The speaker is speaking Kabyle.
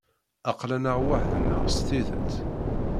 Aql-aneɣ weḥd-neɣ s tidet.